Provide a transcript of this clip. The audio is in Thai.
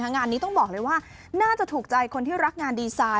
งานนี้ต้องบอกเลยว่าน่าจะถูกใจคนที่รักงานดีไซน์